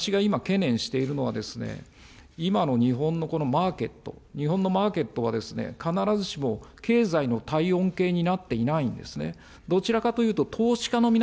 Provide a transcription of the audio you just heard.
ただ、私が今、懸念しているのはですね、今の日本のこのマーケット、日本のマーケットはですね、必ずしも経済の体温計になっていないんですね。